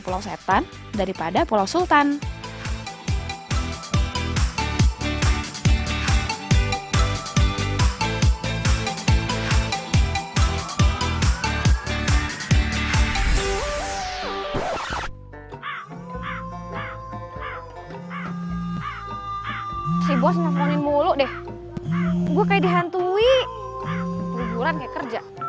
bulan bulan kayak kerja